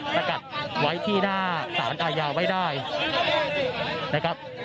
สกัดไว้ที่หน้าสารอาญาไว้ได้นะครับ